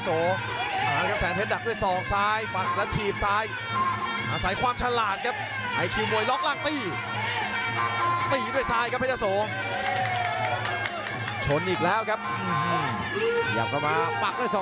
โอ้ยเริ่มทำตามเกมของตัวเองได้แล้วครับเทศโส